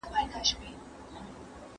¬ پردى کټ تر نيمي شپې دئ.